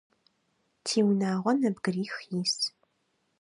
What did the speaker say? Тиунагъо нэбгырих ис.